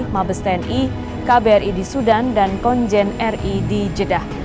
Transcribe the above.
mabes tni kbri di sudan dan konjen ri di jeddah